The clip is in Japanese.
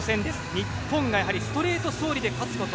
日本がやはりストレート勝利で勝つこと。